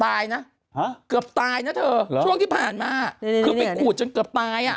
ตายนะเกือบตายนะเธอเหรอช่วงที่ผ่านมาคือไปขูดจนเกือบตายอ่ะ